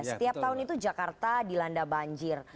setiap tahun itu jakarta dilanda banjir